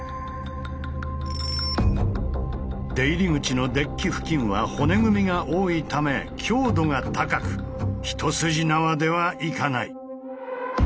出入り口のデッキ付近は骨組みが多いため強度が高く一筋縄ではいかない。